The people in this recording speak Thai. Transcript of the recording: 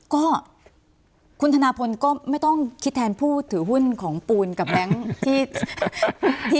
ก็คุณธนาพลก็ไม่ต้องคิดแทนผู้ถือหุ้นของปูนกับแบงค์ที่